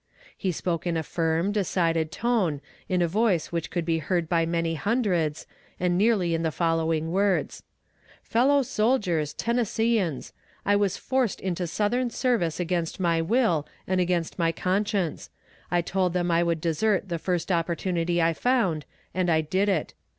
He spoke in a firm, decided tone, in a voice which could be heard by many hundreds, and nearly in the following words: 'Fellow soldiers, Tennesseeans I was forced into Southern service against my will, and against my conscience. I told them I would desert the first opportunity I found, and I did it.